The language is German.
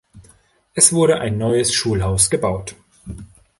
Es wurde ein neues Schulhaus gebaut.